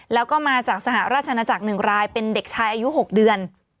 แล้วก็มาจากสหราชนาจักร๑รายเป็นเด็กชายอายุ๖เดือน